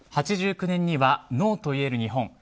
８９年には「ＮＯと言える日本」。